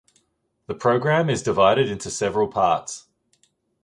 The program is divided into several parts.